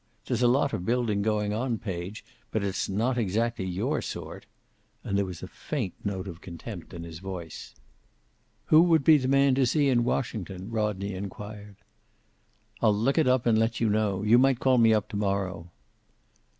There's a lot of building going on, Page, but it's not exactly your sort." And there was a faint note of contempt in his voice. "Who would be the man to see in Washington?" Rodney inquired. "I'll look it up and let you know. You might call me up to morrow."